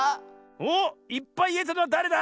おっいっぱいいえたのはだれだ？